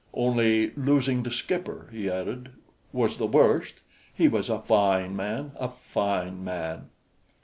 "Only losing the skipper," he added, "was the worst. He was a fine man, a fine man."